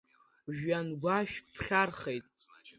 Жәҩангәашәԥхьарахеит!